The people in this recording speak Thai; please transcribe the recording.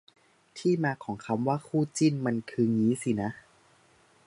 ที่มาของคำว่า "คู่จิ้น" มันคืองี้สินะ